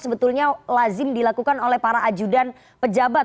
sebetulnya lazim dilakukan oleh para ajudan pejabat